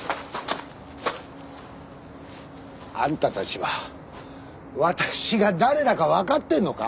あんたたちは私が誰だか分かってんのか？